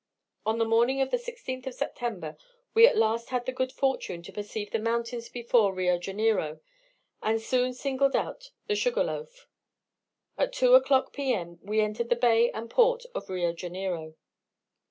On the morning of the 16th of September we at last had the good fortune to perceive the mountains before Rio Janeiro, and soon singled out the Sugarloaf. At 2 o'clock, P.M., we entered the bay and port of Rio Janeiro.